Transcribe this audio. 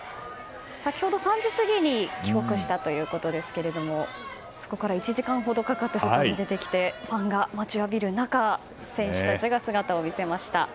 先ほど３時過ぎに帰国したということですがそこから１時間ほどかかって外に出てきてファンが待ちわびる中選手たちが姿を見せました。